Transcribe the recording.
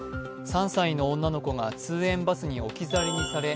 ３歳の女の子が通園バスに置き去りにされ